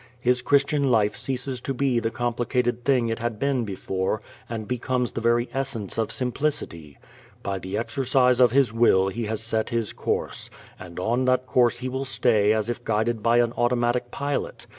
His Christian life ceases to be the complicated thing it had been before and becomes the very essence of simplicity. By the exercise of his will he has set his course, and on that course he will stay as if guided by an automatic pilot.